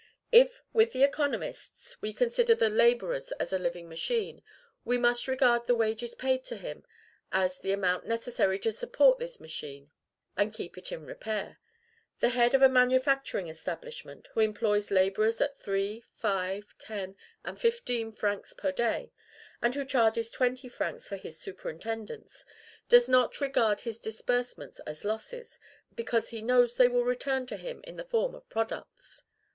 If, with the economists, we consider the laborer as a living machine, we must regard the wages paid to him as the amount necessary to support this machine, and keep it in repair. The head of a manufacturing establishment who employs laborers at three, five, ten, and fifteen francs per day, and who charges twenty francs for his superintendence does not regard his disbursements as losses, because he knows they will return to him in the form of products.